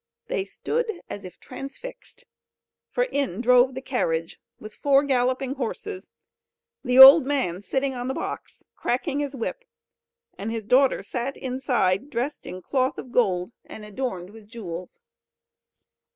They stood as if transfixed! For in drove the carriage with four galloping horses, the old man sitting on the box, cracking his whip, and his daughter sat inside, dressed in cloth of gold, and adorned with jewels.